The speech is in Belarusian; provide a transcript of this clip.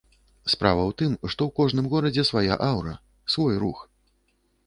Справа ў тым, што ў кожным горадзе свая аўра, свой рух.